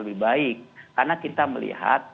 lebih baik karena kita melihat